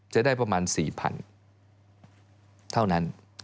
จะได้ประมาณ๔๐๐๐เท่านั้น